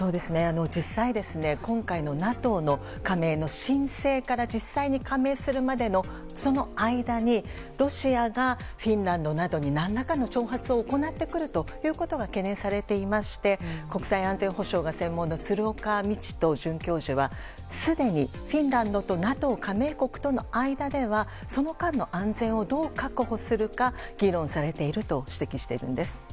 実際、今回のＮＡＴＯの加盟の申請から実際に加盟するまでの、その間にロシアがフィンランドなどに何らかの挑発を行ってくるということが懸念されていまして国際安全保障が専門の鶴岡路人准教授はすでにフィンランドとＮＡＴＯ加盟国との間ではその間の安全をどう確保するか議論されていると指摘しているんです。